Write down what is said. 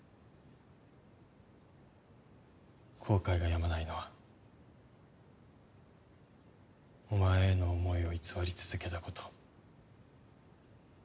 後悔がやまないのはお前への思いを偽り続けたこと。